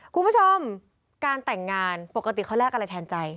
คุณผู้ชมการแต่งงานปกติเขาแลกอะไรแทนใจ